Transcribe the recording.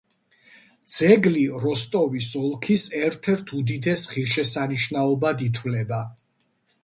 ძეგლი როსტოვის ოლქის ერთ-ერთ უდიდეს ღირსშესანიშნაობად ითვლება.